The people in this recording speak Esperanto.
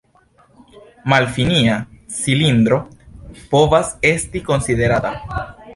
Malfinia cilindro povas esti konsiderata.